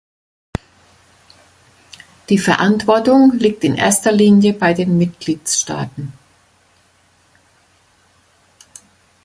Die Verantwortung liegt in erster Linie bei den Mitgliedstaaten.